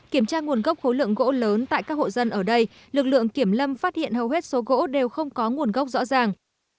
kiểm tra nguồn gốc khối lượng gỗ lớn tại các hộ dân ở đây lực lượng kiểm lâm phát hiện hầu hết số gỗ đều không có nguồn gốc rõ ràng